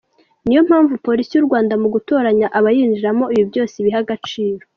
Niyo mpamvu Polisi y’u Rwanda mu gutoranya abayinjiramo ibi byose ibiha agaciro.